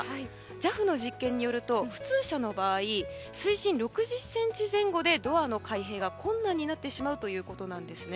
ＪＡＦの実験によると普通車の場合水深６０ｃｍ前後でドアの開閉が困難になってしまうということなんですね。